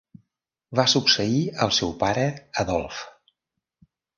Va succeir al seu pare, Adolphe.